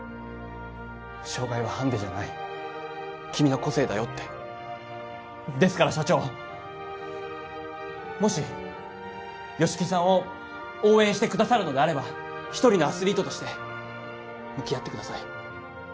障がいはハンデじゃない君の個性だよってですから社長もし吉木さんを応援してくださるのであれば一人のアスリートとして向き合ってください